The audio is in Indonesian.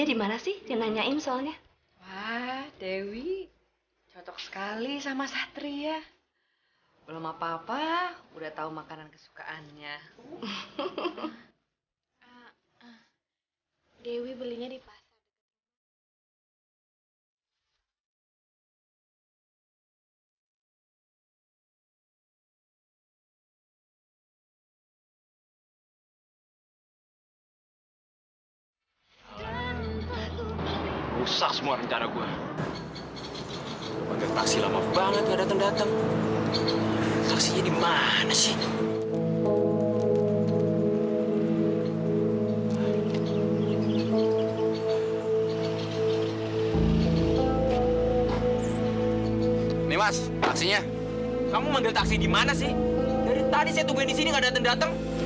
dari tadi saya tungguin disini gak dateng dateng